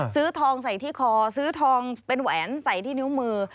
ซื้อทองใส่ที่คอซื้อทองเป็นแหวนใส่ที่นิ้วมือ